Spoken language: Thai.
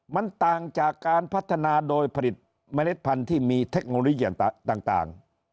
มันต่างจากการพัฒนาโดยผลิตเมล็ดพันธุ์ที่มีเทคโนโลยีต่าง